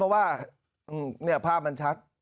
เพราะว่าเนี้ยภาพมันชัด